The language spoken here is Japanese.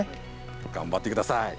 頑張ってください。